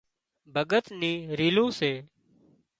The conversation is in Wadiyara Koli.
ڀڳت نِي رِيلون سي